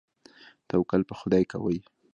توکل په خدای کوئ؟